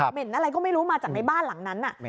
เห็นอะไรก็ไม่รู้มาจากในบ้านหลังนั้น